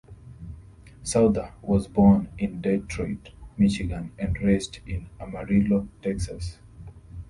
Souther was born in Detroit, Michigan, and raised in Amarillo, Texas.